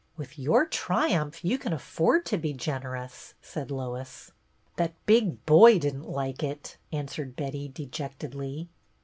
" With your triumph you can afford to be generous," said Lois. " That big boy did n't like it," answered Betty, dejectedly.